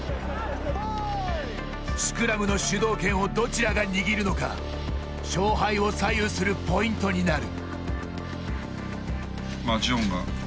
スクラムの主導権をどちらが握るのか勝敗を左右するポイントになる。